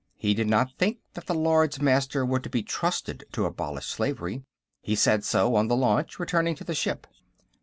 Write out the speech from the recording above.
He did not think that the Lords Master were to be trusted to abolish slavery; he said so, on the launch, returning to the ship.